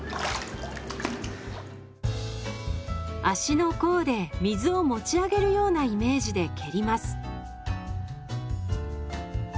足の甲で水を持ち上げるようなイメージで蹴ります。